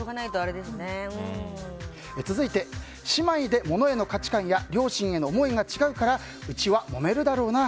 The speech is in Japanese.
続いて、姉妹で物への価値観や両親への思いが違うからうちはもめるだろうな。